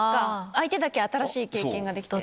相手だけ新しい経験ができて。